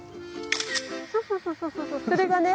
そうそうそうそうそうそれがね